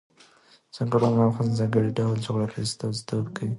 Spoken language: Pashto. ځنګلونه د افغانستان د ځانګړي ډول جغرافیه استازیتوب کوي.